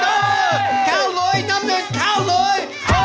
โหขาวหลอยนำเนินขาวหลอย